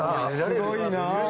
すごいな！